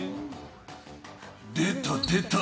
出た、出た。